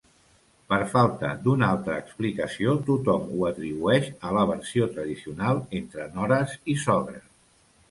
Per falta d'una altra explicació, tothom ho atribueix a l'aversió tradicional entre nores i sogres.